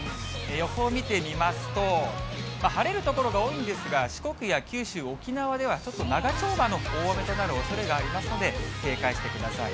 予報を見てみますと、晴れる所が多いんですが、四国や九州、沖縄ではちょっと長丁場の大雨となるおそれがありますので、警戒してください。